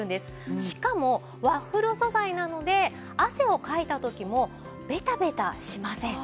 しかもワッフル素材なので汗をかいた時もベタベタしません。